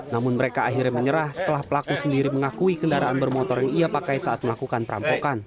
namun mereka akhirnya menyerah setelah pelaku sendiri mengakui kendaraan bermotor yang ia pakai saat melakukan perampokan